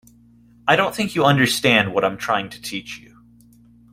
I don't think you understand what I'm trying to teach you.